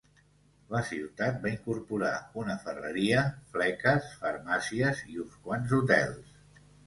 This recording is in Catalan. La ciutat va incorporar una ferreria, fleques, farmàcies i uns quants hotels.